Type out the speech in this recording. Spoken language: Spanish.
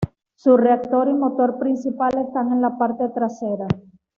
Su reactor y motor principal están en la parte trasera.